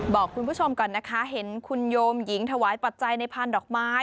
บอกคุณผู้ชมก่อนนะคะเห็นคุณโยมหญิงถวายปัจจัยในพานดอกไม้